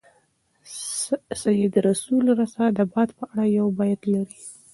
سید رسول رسا د باد په اړه یو بیت لري.